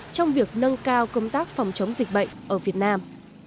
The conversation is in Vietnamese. trong việc nâng cao công tác phòng chống dịch bệnh ở việt nam